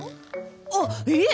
あっいえ